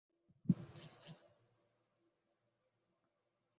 Ĉu Vi kapablus rekoni min?